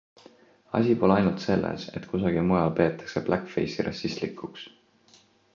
Asi pole ainult selles, et kusagil mujal peetakse blackface'i rassistlikuks.